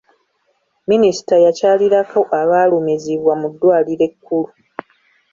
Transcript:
Minisita yakyalirako abaalumizibwa mu ddwaliro ekkulu.